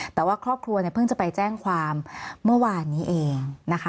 แต่ว่าครอบครัวเนี่ยเพิ่งจะไปแจ้งความเมื่อวานนี้เองนะคะ